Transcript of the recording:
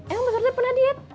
emang mbak surti pernah diet